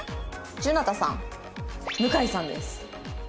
じゅなたさん向さんです。